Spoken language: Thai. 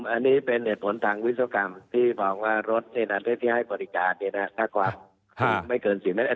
อันนี้เป็นเหตุผลทางวิศวกรรมที่มองว่ารถที่ให้บริการถ้าความไม่เกิน๔เมตร